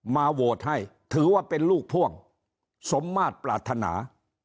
โหวตให้ถือว่าเป็นลูกพ่วงสมมาตรปรารถนา